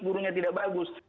burunya tidak bagus